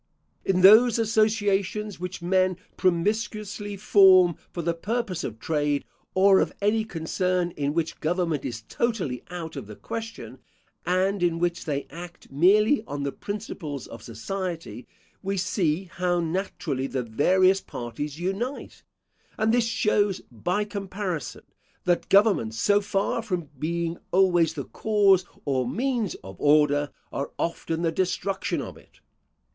In those associations which men promiscuously form for the purpose of trade, or of any concern in which government is totally out of the question, and in which they act merely on the principles of society, we see how naturally the various parties unite; and this shows, by comparison, that governments, so far from being always the cause or means of order, are often the destruction of it.